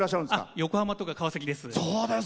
横浜と川崎です。